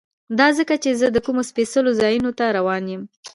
دا ځکه چې زه د کومو سپېڅلو ځایونو ته روان یم.